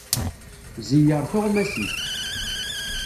Ẓeyyer tuɣmas-ik.